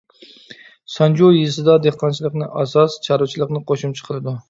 سانجۇ يېزىسىدا دېھقانچىلىقنى ئاساس، چارۋىچىلىقنى قوشۇمچە قىلىدۇ.